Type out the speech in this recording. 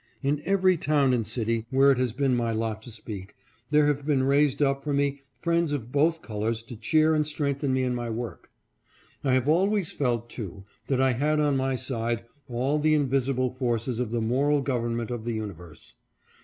In every town and city where it has been my lot to speak, there have been raised up for me friends of both colors to cheer and strengthen me in my work. I POPULAR PREJUDICE. 563 have always felt, too, that I had on my side all the invisi ble forces of the moral government of the universe.